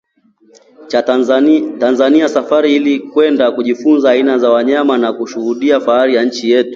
cha Tanzania Safari ili kwenda kujifunza aina za wanyama na kushuhudia fahari ya nchi yake